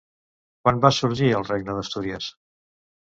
Quan va sorgir el regne d'Astúries?